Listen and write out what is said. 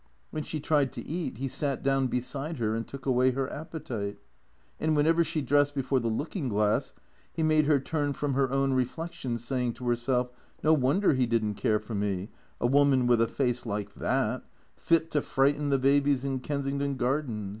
When she tried to eat he sat down beside her and took away her appetite. And whenever she dressed before the looking glass he made her turn from her own reflection, saying to herself, " No wonder he did n't care for me, a woman witii a face like that, fit to frighten the babies in Kensington Gar dens."